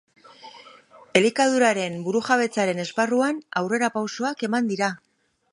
Elikaduraren burujabetzaren esparruan aurrerapausoak eman dira.